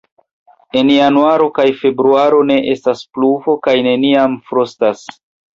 En januaro kaj februaro ne estas pluvo kaj neniam frostas.